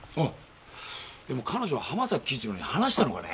でも彼女は濱崎輝一郎に話したのかね？